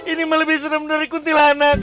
ini mah lebih serem dari kuntilah anak